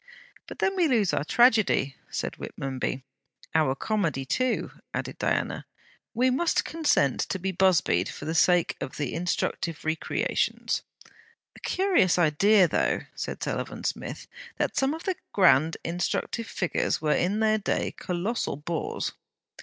'But then we lose our Tragedy,' said Whitmonby. 'Our Comedy too,' added Diana. 'We must consent to be Busbied for the sake of the instructive recreations.' 'A curious idea, though,' said Sullivan Smith, 'that some of the grand instructive figures were in their day colossal bores!'